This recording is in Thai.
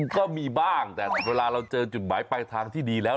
ก็มีบ้างแต่เวลาเราเจอจุดหมายไปทางที่ดีแล้ว